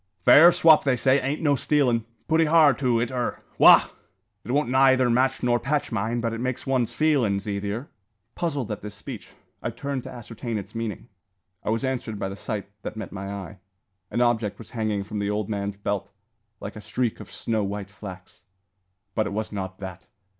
"Fair swop, they say, ain't no stealin'. Putty har, too, it ur. Wagh! It won't neyther match nor patch mine; but it makes one's feelin's easier." Puzzled at this speech, I turned to ascertain its meaning. I was answered by the sight that met my eye. An object was hanging from the old man's belt, like a streak of snow white flax. But it was not that.